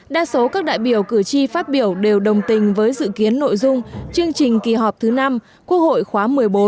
đa số các đại biểu cử tri phát biểu đều đồng tình với dự kiến nội dung chương trình kỳ họp thứ năm quốc hội khóa một mươi bốn